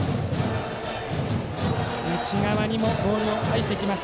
内側にもボールを配してきます